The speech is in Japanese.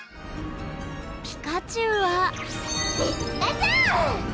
ピカチュウはピカチュウ！